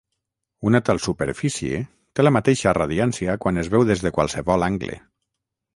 Una tal superfície té la mateixa radiància quan es veu des de qualsevol angle.